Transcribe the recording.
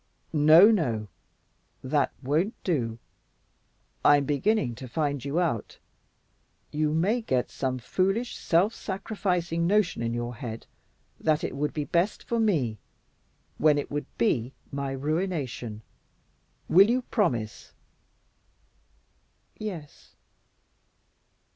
"No, no! That won't do. I'm beginning to find you out. You may get some foolish, self sacrificing notion in your head that it would be best for me, when it would be my ruination. Will you promise?" "Yes."